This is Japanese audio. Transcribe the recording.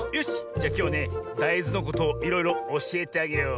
じゃきょうねだいずのことをいろいろおしえてあげよう。